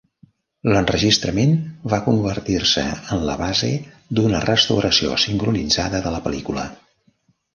L'enregistrament va convertir-se en la base d'una "restauració sincronitzada" de la pel·lícula.